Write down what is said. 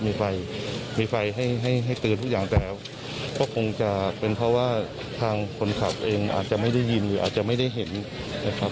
มีไฟมีไฟให้ให้เตือนทุกอย่างแต่ก็คงจะเป็นเพราะว่าทางคนขับเองอาจจะไม่ได้ยินหรืออาจจะไม่ได้เห็นนะครับ